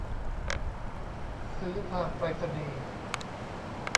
ซื้อทางไปรษณีย์